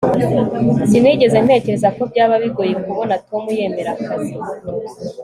sinigeze ntekereza ko byaba bigoye kubona tom yemera akazi